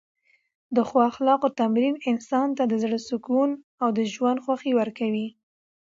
د ښو اخلاقو تمرین انسان ته د زړه سکون او د ژوند خوښۍ ورکوي.